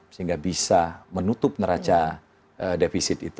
sehingga bisa menutup neraca defisit itu